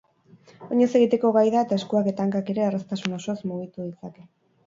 Oinez egiteko gai da eta eskuak eta hankak ere erraztasun osoz mugitu ditzake.